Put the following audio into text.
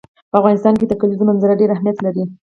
په افغانستان کې د کلیزو منظره ډېر اهمیت لري.